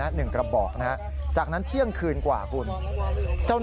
หนึ่งกระบอกจากนั้นเที่ยงคืนกว่า